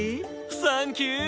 サンキュー！